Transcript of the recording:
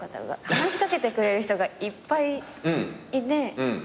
話し掛けてくれる人がいっぱいいて。